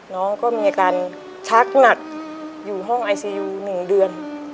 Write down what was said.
น้องก็มีอาการชักหนักอยู่ห้องไอซียู๑เดือน